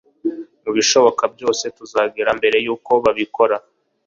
mubishoboka byose, tuzagera mbere yuko babikora